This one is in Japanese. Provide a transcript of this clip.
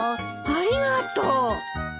ありがとう。